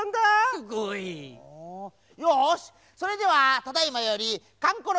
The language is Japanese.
すごい！よしそれではただいまよりかんころ